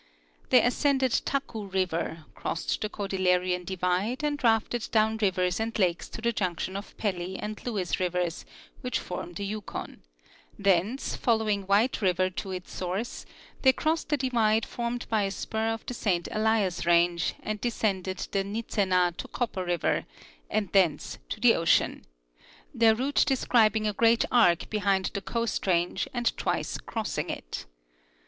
They as cended Taku river, crossed the Cordilleran divide, and rafted down rivers and lakes to the junction of Pelly and Lewis rivers which form the Yukon; thence, following White river to its source, they crossed a divide formed by a spur of the Saint Elias range and descended the Nizzenah to Copper river, and thence to the ocean — their route describing a great arc behind the Coast range and twice crossing it.